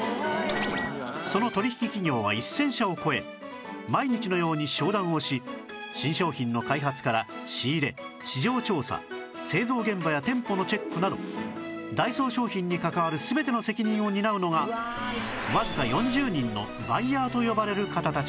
その取引企業は１０００社を超え毎日のように商談をし新商品の開発から仕入れ市場調査製造現場や店舗のチェックなどダイソー商品に関わる全ての責任を担うのがわずか４０人のバイヤーと呼ばれる方たちなんです